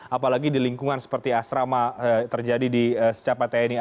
apalagi di lingkungan seperti asrama terjadi di secapa tni